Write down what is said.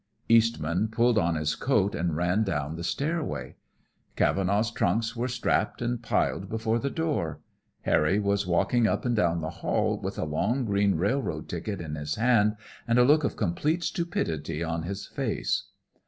Eastman pulled on his coat and ran down the stairway. Cavenaugh's trunks were strapped and piled before the door. Harry was walking up and down the hall with a long green railroad ticket in his hand and a look of complete stupidity on his face.